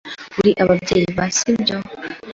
Uri ababyeyi ba , sibyo?